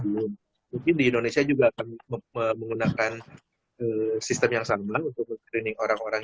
belum mungkin di indonesia juga akan menggunakan sistem yang sama untuk screening orang orang